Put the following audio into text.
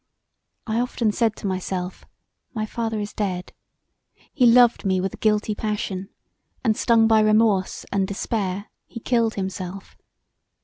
I often said to myself, my father is dead. He loved me with a guilty passion, and stung by remorse and despair he killed himself.